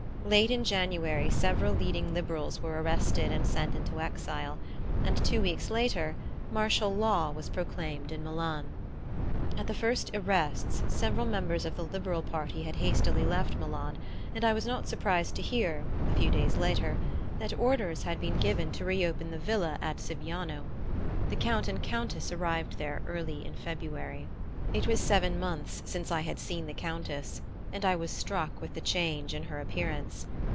Late in January several leading liberals were arrested and sent into exile, and two weeks later martial law was proclaimed in Milan. At the first arrests several members of the liberal party had hastily left Milan, and I was not surprised to hear, a few days later, that orders had been given to reopen the villa at Siviano. The Count and Countess arrived there early in February. It was seven months since I had seen the Countess, and I was struck with the change in her appearance.